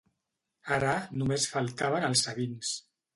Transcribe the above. Ara, només faltaven els sabins.